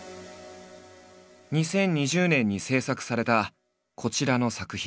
２０２０年に制作されたこちらの作品。